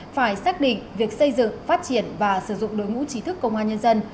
phải xác định việc xây dựng phát triển và sử dụng đối ngũ trí thức công an nhân dân